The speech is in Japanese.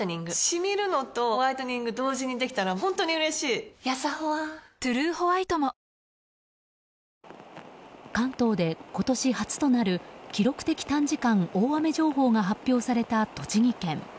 シミるのとホワイトニング同時にできたら本当に嬉しいやさホワ「トゥルーホワイト」も関東で今年初となる記録的短時間大雨情報が発表された栃木県。